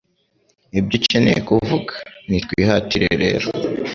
ibyo ukeneye kuvuga Nitwihatire rero